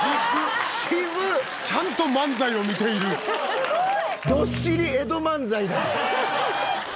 すごい。